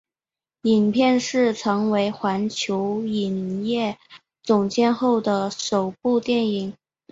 影片是成为环球影业总监后的首部电影。